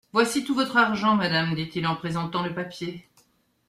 Voici tout votre argent, madame, dit-il en présentant le papier.